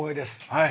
はい。